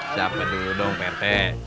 siapin dulu dong pak rt